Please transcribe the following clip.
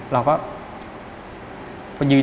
เราก็